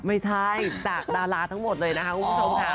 ไม่ใช่จากดาราทั้งหมดเลยนะคะคุณผู้ชมค่ะ